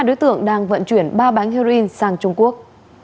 hai đối tượng đang vận chuyển ba bánh heroin sang trung quốc